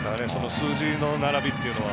数字の並びというのは。